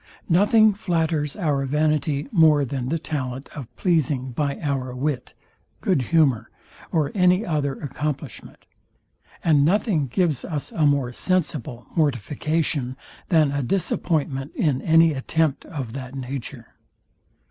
Nothing flatters our vanity more than the talent of pleasing by our wit, good humour, or any other accomplishment; and nothing gives us a more sensible mortification than a disappointment in any attempt of that nature.